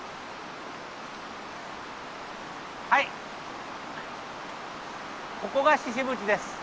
はいここがシシ渕です。